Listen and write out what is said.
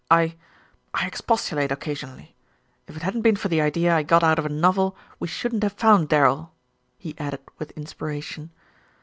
"I I expostulate occasionally. If it hadn't been for the idea I got out of a novel, we shouldn't have found Darrell," he added with inspiration.